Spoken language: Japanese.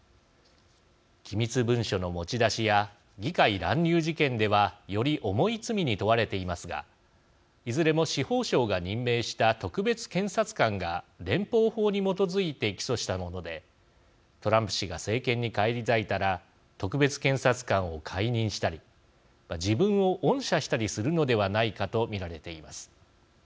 機密文書の持ち出しや議会乱入事件ではより重い罪に問われていますがいずれも司法省が任命した特別検察官が連邦法に基づいて起訴したものでトランプ氏が政権に返り咲いたら特別検察官を解任したり自分を恩赦したりするのではないかと見られています。